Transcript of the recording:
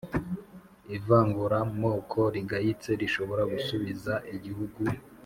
ivanguramoko rigayitse rishobora gusubiza igihugu